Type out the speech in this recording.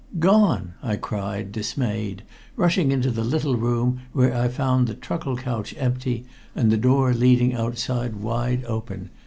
"Gone!" I cried, dismayed, rushing into the little room, where I found the truckle couch empty, and the door leading outside wide open.